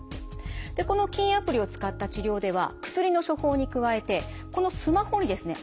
でこの禁煙アプリを使った治療では薬の処方に加えてこのスマホにですね